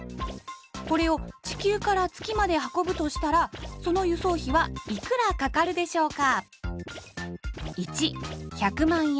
これを地球から月まで運ぶとしたらその輸送費はいくらかかるでしょうか？